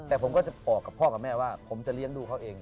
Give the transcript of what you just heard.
แต่ผมก็จะบอกกับพ่อกับแม่ว่าผมจะเลี้ยงดูเขาเอง